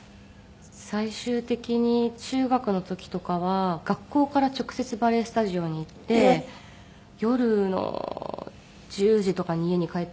最終的に中学の時とかは学校から直接バレエスタジオに行って夜の１０時とかに家に帰ってくる。